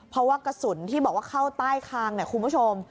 เพราะว่ากระสุนที่บอกว่าเข้าใต้คางเนี่ยคุณผู้ชม